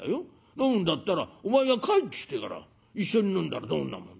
飲むんだったらお前が帰ってきてから一緒に飲んだらどんなもんだ。